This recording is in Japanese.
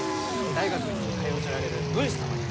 大学に通うちょられる文士様じゃ！